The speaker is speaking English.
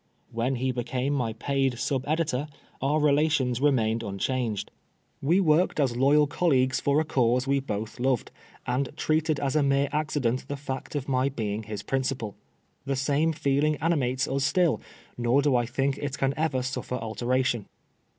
When he became my paid sub editor, our relations remained unchanged. We worked as loyal colleagues for a cause THE STOBM BBEWIK0. 21 we both loved, and treated as a mere accident the fact of my being his principal. The same feeling animates us still, nor do I think it can ever suffer alteration.